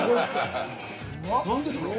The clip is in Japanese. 何でだろう？